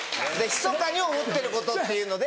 「ひそかに思ってること」っていうので。